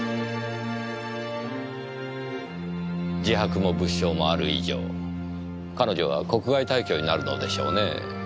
自白も物証もある以上彼女は国外退去になるのでしょうねぇ。